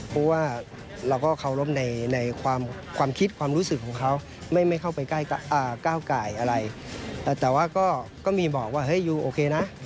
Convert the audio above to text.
เพราะว่าเราก็เคารพในความคิดความรู้สึกของเขาไม่เข้าไปก้าวไก่อะไรแต่ว่าก็มีบอกว่าเฮ้ยยูโอเคนะ